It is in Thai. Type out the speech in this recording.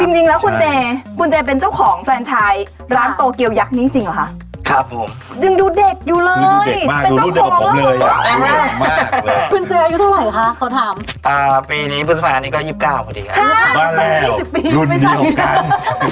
หยุดน้อยมากค่ะแต่ว่าเป็นเจ้าของธุรกิจที่มีเฟรนชายทั่วประเภทแบบนี้เกมมากเลย